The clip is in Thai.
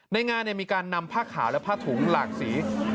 ในงานมีการนำผ้าขาวและผ้าถุงหลากสี